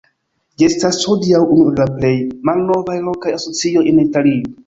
Ĝi estas hodiaŭ unu el la plej malnovaj lokaj asocioj en Italio.